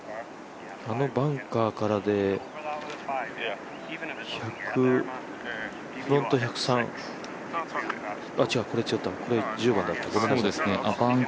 あのバンカーからで、フロント１０３違った、これ１０番だった。